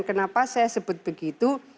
kenapa saya sebut begitu